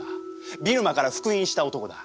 ビルマから復員した男だ。